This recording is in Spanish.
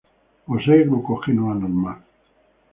Posee glucógeno anormal.